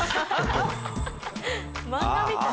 漫画みたい。